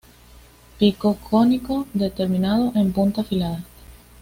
Pico cónico, terminado en punta afilada.